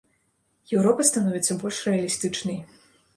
Еўропа становіцца больш рэалістычнай.